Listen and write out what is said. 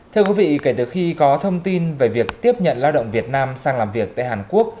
thưa quý vị kể từ khi có thông tin về việc tiếp nhận lao động việt nam sang làm việc tại hàn quốc